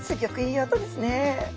い音ですね。